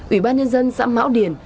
ủy ban nhân dân xã mão điền